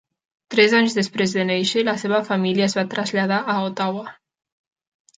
Tres anys després de néixer, la seva família es va traslladar a Ottawa.